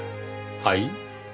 はい？